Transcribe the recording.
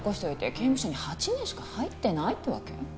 刑務所に８年しか入ってないってわけ？